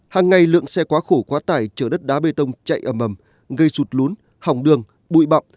hàng ngày lượng xe quá khổ quá tải chở đất đá bê tông chạy ầm ầm gây sụt lún hỏng đường bụi bọng